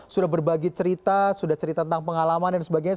sudah berbagi cerita sudah cerita tentang pengalaman dan sebagainya